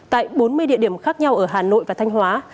tại bốn mươi địa điểm khác nhau ở hà nội và thanh hóa